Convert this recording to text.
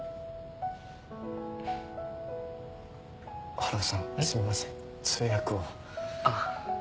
春尾さんすみません通訳を。